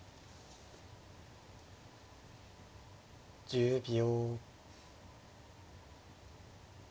１０秒。